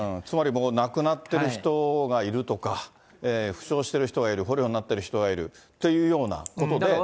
つまり亡くなってる人がいるとか、負傷している人がいる、捕虜になっている人がいるっていうようなことで。